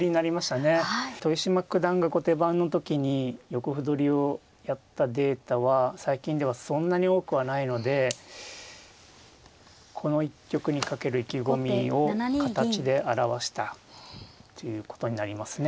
豊島九段が後手番の時に横歩取りをやったデータは最近ではそんなに多くはないのでこの一局にかける意気込みを形で表したということになりますね。